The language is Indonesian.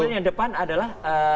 kemudian yang depan adalah